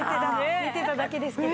寝てただけですけど。